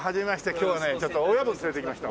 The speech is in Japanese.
今日はちょっと親分を連れてきました。